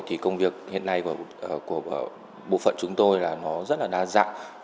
thì công việc hiện nay của bộ phận chúng tôi là nó rất là đa dạng